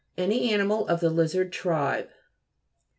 Any animal of the lizard tribe.